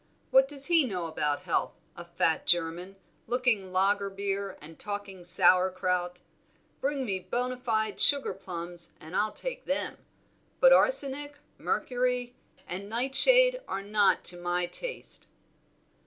What does he know about health, a fat German, looking lager beer and talking sauer kraut? Bring me bona fide sugar plums and I'll take them; but arsenic, mercury, and nightshade are not to my taste."